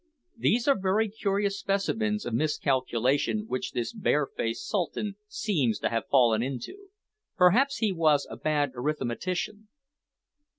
These are very curious specimens of miscalculation which this barefaced Sultan seems to have fallen into. Perhaps he was a bad arithmetician.